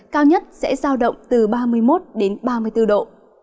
cao nhất sẽ giao động từ ba mươi một đến ba mươi bốn độ